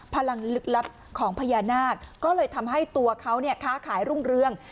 ลึกลับของพญานาคก็เลยทำให้ตัวเขาเนี่ยค้าขายรุ่งเรือง